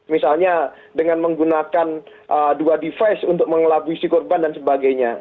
misalnya dengan menggunakan dua device untuk mengelabui si korban dan sebagainya